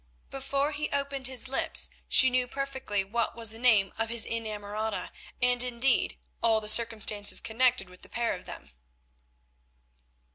Before he opened his lips she knew perfectly what was the name of his inamorata and indeed all the circumstances connected with the pair of them.